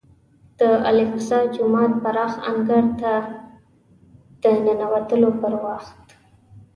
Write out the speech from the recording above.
د الاقصی جومات پراخ انګړ ته د ننوتلو پر وخت.